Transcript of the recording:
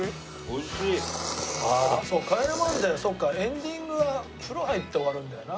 『帰れマンデー』そっかエンディングは風呂入って終わるんだよな。